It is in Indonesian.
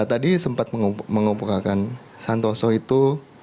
tadi sempat mengumpulkan santoso itu